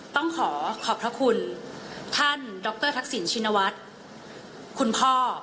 ต้องขอขอบพระคุณท่านดรทักษิณชินวัฒน์คุณพ่อ